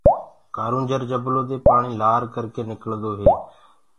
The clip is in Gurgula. ڪآرونجھر جبلو دي پآڻي لآر ڪر ڪي نِڪݪدو هي۔